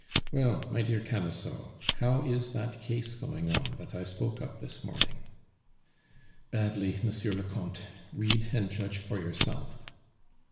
"Well, my dear Camusot, how is that case going on that I spoke of this morning?" "Badly, Monsieur le Comte; read and judge for yourself."